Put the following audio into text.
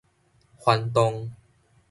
翻動